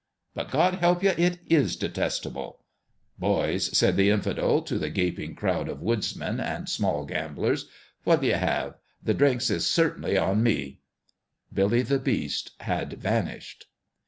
" But God help you, it is detestable !"" Boys," said the Infidel to the gaping crowd of woodsmen and small gamblers, " what' 11 ye have ? The drinks is certainly on me" Billy the Beast had vanished.